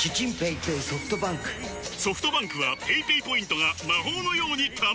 ソフトバンクはペイペイポイントが魔法のように貯まる！